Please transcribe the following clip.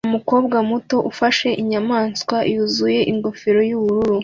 numukobwa muto ufashe inyamaswa yuzuye ingofero yubururu